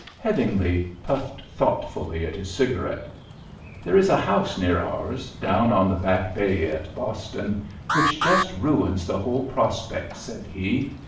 Headingly puffed thoughtfully at his cigarette. "There is a house near ours, down on the Back Bay at Boston, which just ruins the whole prospect," said he.